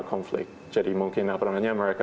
konflik jadi mungkin mereka